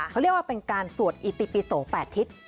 เขาเรียกว่าเป็นการสวดอิติปิโส๘ทิศ